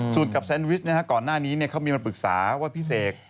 สูตรกับแซนวิชนะฮะก่อนหน้านี้เนี่ยเขามีมาปรึกษาว่าพี่เศก